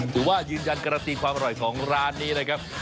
ถือว่ายืนยันการันตีความอร่อยของร้านนี้นะครับ